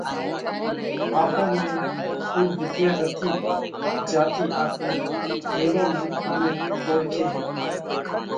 آپون ۾ اُو وۮيا نٿِي جيا ٿِي آپي هيوون منکون نئہ اوۯکي هيڪون۔